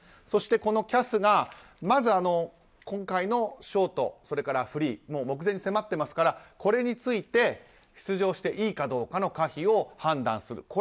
そして、このＣＡＳがまず今回のショートそれからフリー、目前に迫っていますからこれについて出場していいかどうかの可否を判断する。